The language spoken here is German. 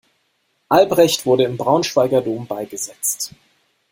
Albrecht wurde im Braunschweiger Dom beigesetzt.